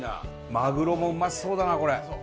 マグロもうまそうだなこれ。